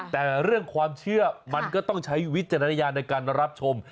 แต่เรื่องความเชื่อมันก็ต้องใช้วิจารณญาณในการรับชม